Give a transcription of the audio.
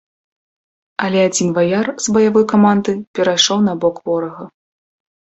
Але адзін ваяр з баявой каманды перайшоў на бок ворага.